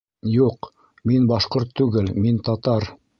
Юҡ, мин башҡорт түгел, мин татар.